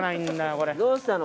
どうしたの？